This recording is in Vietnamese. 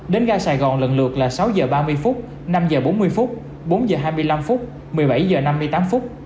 đến gai sài gòn lần lượt là sáu h ba mươi năm h bốn mươi bốn h hai mươi năm một mươi bảy h năm mươi tám